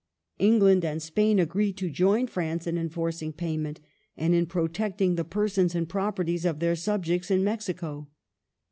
England and Spain agreed to join France in enforcing payment, and in protecting the persons and properties of their subjects in Mexico.